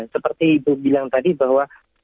seperti ibu bilang tadi bahwa